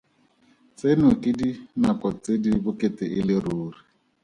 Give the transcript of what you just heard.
Tseno ke dinako tse di bokete e le ruri.